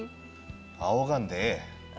あおがんでええ！